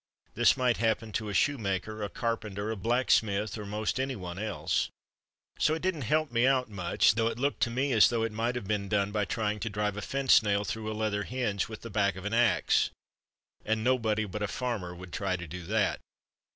This might happen to a shoemaker, a carpenter, a blacksmith or most anyone else. So it didn't help me out much, though it looked to me as though it might have been done by trying to drive a fence nail through a leather hinge with the back of an axe, and nobody but a farmer would try to do that.